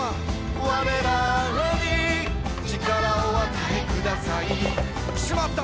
「われらに力をお与えください」「しまった！」